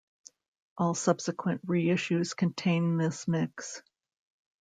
All subsequent reissues contain this mix.